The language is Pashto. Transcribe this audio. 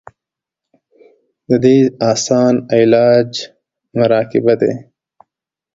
د دې اسان علاج مراقبه دے -